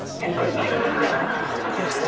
今回自信はあります。